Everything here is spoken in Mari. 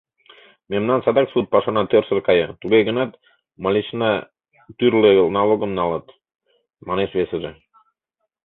— Мемнан садак сурт пашана тӧрсыр кая, туге гынат мылечна тӱрлӧ налогым налыт, — манеш весыже.